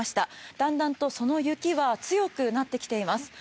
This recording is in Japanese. だんだんとその雪は強くなってきています。